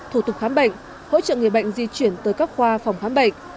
thủ tục khám bệnh hỗ trợ người bệnh di chuyển tới các khoa phòng khám bệnh